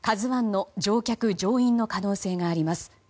「ＫＡＺＵ１」の乗客・乗員の可能性があります。